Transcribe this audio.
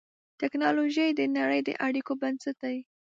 ټکنالوجي د نړۍ د اړیکو بنسټ دی.